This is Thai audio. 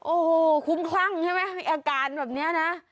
โอ้โหคุ้มคลั่งใช่ไหมมีอาการแบบนี้นะ